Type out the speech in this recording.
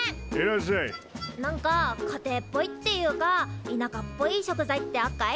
何か家庭っぽいっていうかいなかっぽい食材ってあっかい？